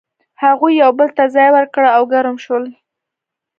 هغوی یو بل ته ځای ورکړ او ګرم شول.